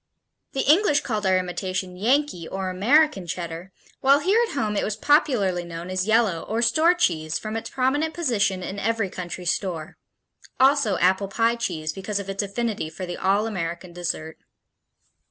The English called our imitation Yankee, or American, Cheddar, while here at home it was popularly known as yellow or store cheese from its prominent position in every country store; also apple pie cheese because of its affinity for the all American dessert.